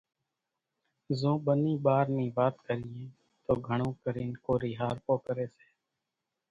زو ٻنِي ٻار نِي وات ڪريئين تو گھڻون ڪرينَ ڪورِي هارپو ڪريَ سي۔